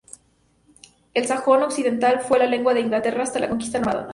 El sajón occidental fue la lengua de Inglaterra hasta la conquista normanda.